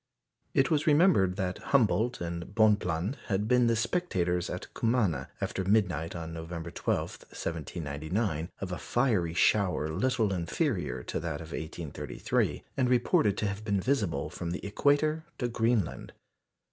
It was remembered that Humboldt and Bonpland had been the spectators at Cumana, after midnight on November 12, 1799, of a fiery shower little inferior to that of 1833, and reported to have been visible from the equator to Greenland.